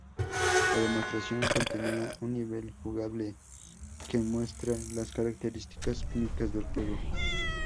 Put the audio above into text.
La demostración contenía un nivel jugable que muestra las características únicas del juego.